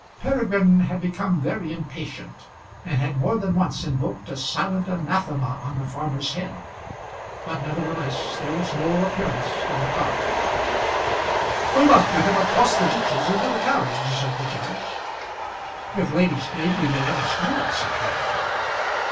Peregrine had become very impatient, and had more than once invoked a silent anathema on the farmer's head; but nevertheless there was no appearance of the cart. "We must get him across the ditches into the carriage," said the judge. "If Lady Staveley will let us do that," said Peregrine.